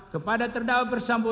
kepada terdakwa perdisambo